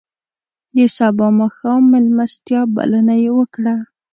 د سبا ماښام میلمستیا بلنه یې وکړه.